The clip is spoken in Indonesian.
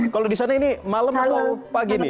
kalau di sana ini malam atau pagi nih